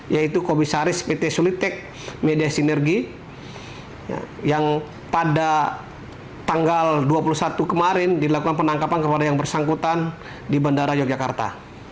yaitu komisaris pt sulitek media sinergi yang pada tanggal dua puluh satu kemarin dilakukan penangkapan kepada yang bersangkutan di bandara yogyakarta